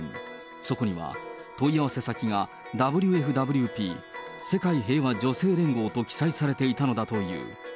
そこには、問い合わせ先がＷＦＷＰ・世界平和女性連合と記載されていたのだという。